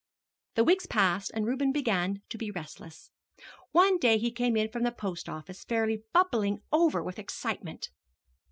The weeks passed and Reuben began to be restless. One day he came in from the post office fairly bubbling over with excitement.